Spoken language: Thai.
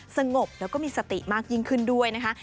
สงบแล้วก็มีสติมากยิ่งขึ้นด้วยนะคะ